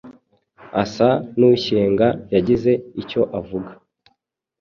asa n’ushyenga yagize icyo avuga